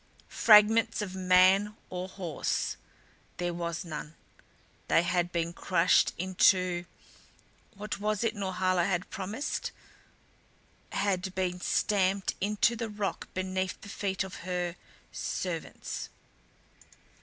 Fragments of man or horse there was none. They had been crushed into what was it Norhala had promised had been stamped into the rock beneath the feet of her servants.